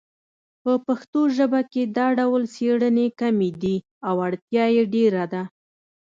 په پښتو ژبه کې دا ډول څیړنې کمې دي او اړتیا یې ډېره ده